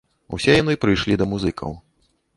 Усе яны прыйшлі да музыкаў.